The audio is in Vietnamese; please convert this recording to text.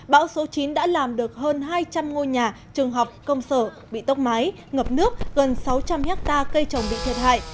bão số chín đã làm được hơn hai trăm linh ngôi nhà trường học công sở bị tốc mái ngập nước gần sáu trăm linh hectare cây trồng bị thiệt hại